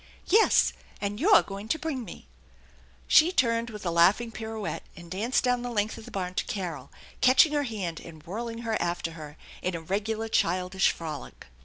Yes, and you're going to bring me !" She turned with a laughing pirouette, and danced down the length of the barn to Carol, catching her hand and whirling her after her in a regular childish frolic.